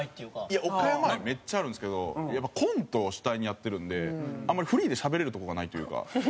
いや岡山愛めっちゃあるんですけどやっぱコントを主体にやってるんであんまりフリーでしゃべれるとこがないというか。